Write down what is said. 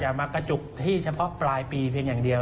จะมากระจุกที่เฉพาะปลายปีแค่นั้นเดียว